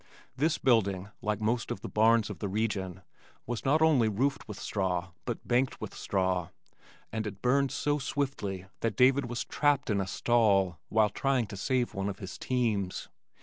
This building like most of the barns of the region was not only roofed with straw but banked with straw, and it burned so swiftly that David was trapped in a stall while trying to save one of his teams.